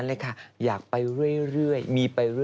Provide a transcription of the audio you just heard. อับค่าตัวไหม